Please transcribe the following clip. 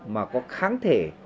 mà có kháng thể